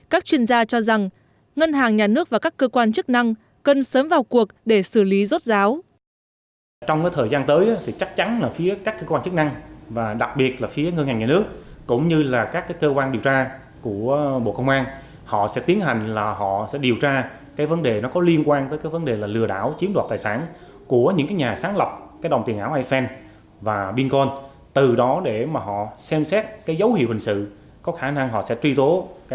các chuyên gia cho rằng ngân hàng nhà nước và các cơ quan chức năng cần sớm vào cuộc để xử lý rốt ráo